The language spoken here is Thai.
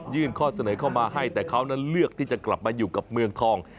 ข้อเสนอเข้ามาให้แต่เขานั้นเลือกที่จะกลับมาอยู่กับเมืองทอง